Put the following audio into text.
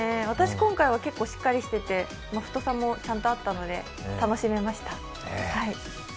私、今回はしっかりしてて太さもちゃんとあったので楽しめました。